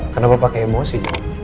kenapa pakai emosi